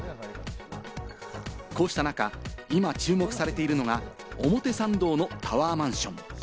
こうした中、今注目されているのが、表参道のタワーマンション。